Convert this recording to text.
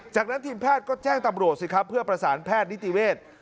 จากนั้นทีมแพทย์ก็แจ้งตำรวจสิครับเพื่อประสานแพทย์นิติเวทย์